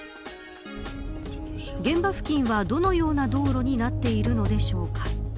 現場付近は、どのような道路になっているのでしょうか。